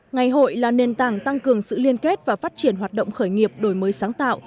ngày hội là nền tảng tăng cường sự liên kết và phát triển hoạt động khởi nghiệp đổi mới sáng tạo